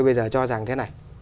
bây giờ cho rằng thế này